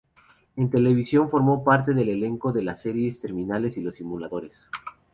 En televisión formó parte del elenco de las series Terminales y Los Simuladores.